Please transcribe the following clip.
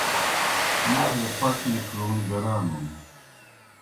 مُٹھے پٹ نِکھلون گرانُن۔